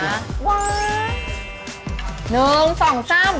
นึงสองทร่ำ